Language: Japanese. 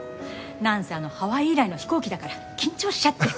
なんせあのハワイ以来の飛行機だから緊張しちゃって。